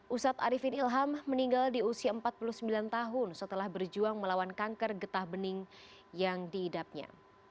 ustadz arifin ilham meninggal di usia empat puluh sembilan tahun setelah berjuang melawan kanker getah bening yang diidapnya